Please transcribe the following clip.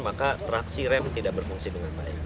maka traksi rem tidak berfungsi dengan baik